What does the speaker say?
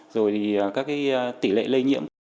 rồi các tỷ lệ lây nhiễm